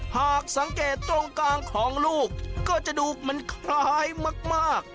หากสังเกตตรงกลางของลูกก็จะดูมันคล้ายมาก